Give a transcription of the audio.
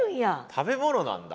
食べ物なんだ。